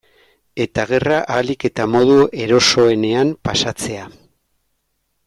Eta gerra ahalik eta modu erosoenean pasatzea.